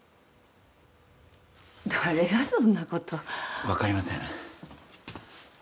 誰がそんなこと分かりません